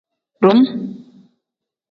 Dum.